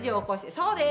そうです。